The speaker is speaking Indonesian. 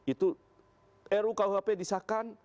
itu ru kuhp disahkan